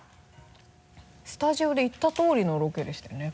スタジオで言った通りのロケでしたよね。